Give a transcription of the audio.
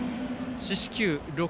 四死球６。